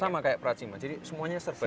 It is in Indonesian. sama kayak pracima jadi semuanya serba